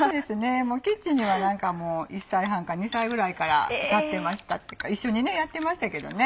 キッチンには何かもう１歳半か２歳ぐらいから立ってましたっていうか一緒にやってましたけどね。